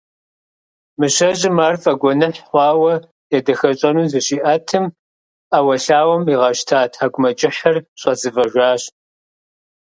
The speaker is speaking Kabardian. Мыщэжьым ар фӀэгуэныхь хъуауэ едэхэщӀэну зыщиӀэтым, Ӏэуэлъауэм игъэщта ТхьэкӀумэкӀыхьыр, щӀэцӀывэжащ.